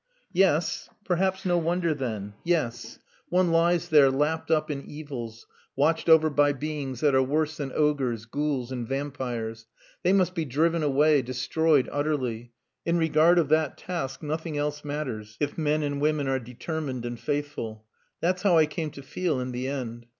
"Yes. Perhaps no wonder, then. Yes. One lies there lapped up in evils, watched over by beings that are worse than ogres, ghouls, and vampires. They must be driven away, destroyed utterly. In regard of that task nothing else matters if men and women are determined and faithful. That's how I came to feel in the end.